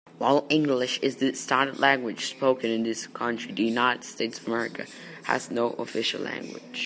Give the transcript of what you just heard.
While English is the standard language spoken in his country, the United States of America has no official language.